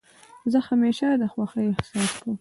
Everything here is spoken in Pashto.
زه همېشه د خوښۍ احساس کوم.